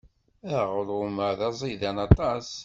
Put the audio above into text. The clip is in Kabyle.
Aɣrum-a d aẓidan aṭas.